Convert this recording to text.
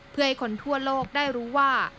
เพื่อให้คนทั่วโลกได้รู้ว่า